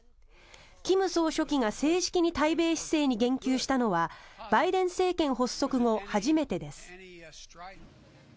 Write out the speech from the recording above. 金総書記が正式に対米姿勢に言及したのはバイデン政権発足後初めてです。